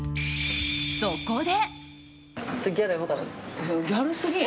そこで。